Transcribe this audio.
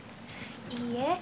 いいえ。